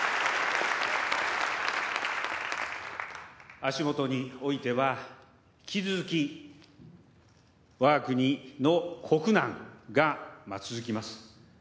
足元においては引き続き我が国の国難が続きます。